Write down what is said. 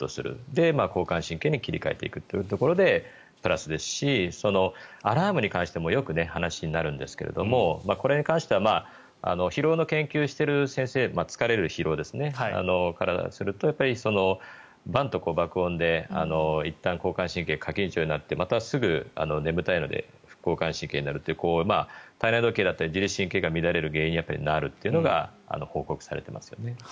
で、交感神経に切り替えていくというところでプラスですしアラームに関してもよく話になるんですけどもこれに関しては疲労の研究をしている先生からするとバンッと爆音でいったん交感神経が過緊張になってまたすぐ眠たいので副交感神経になるという体内時計だったり自律神経が乱れる原因になるというのが報告されていますよね。